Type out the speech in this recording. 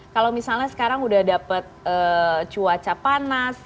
kalau misalnya sekarang udah dapat cuaca panas